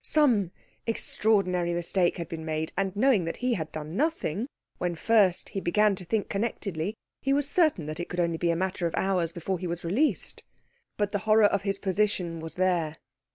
Some extraordinary mistake had been made; and, knowing that he had done nothing, when first he began to think connectedly he was certain that it could only be a matter of hours before he was released. But the horror of his position was there.